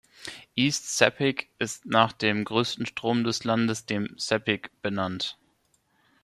East Sepik ist nach dem größten Strom des Landes, dem Sepik benannt.